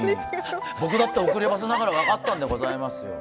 僕だって遅ればせながら分かったんでございますよ。